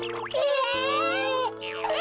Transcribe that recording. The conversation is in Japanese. え！？